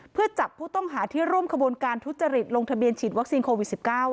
เพื่อจับผู้ต้องหาที่ร่วมขบวนการทุจริตลงทะเบียนฉีดวัคซีนโควิด๑๙